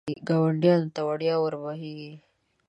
ګاونډیانو ته وړیا ور بهېږي.